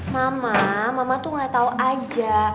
mama mama tuh gak tahu aja